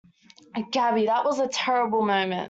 Gabby, that was a terrible moment.